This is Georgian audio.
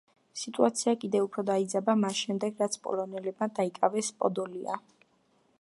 სიტუაცია კიდევ უფრო დაიძაბა მას შემდეგ რაც პოლონელებმა დაიკავეს პოდოლია.